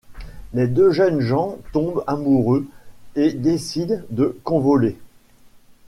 Les deux jeunes gens tombent amoureux et décident de convoler.